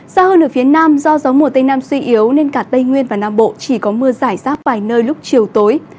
xa hơn ở phía nam do gió mùa tây nam suy yếu nên cả tây nguyên và nam bộ chỉ có mưa giải rác vài nơi lúc chiều tối